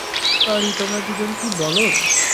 Sorry তোমরা দুজন কি বলদ?